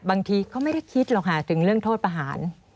บางทีเขาไม่ได้คิดหรอกค่ะถึงเรื่องโทษประหาร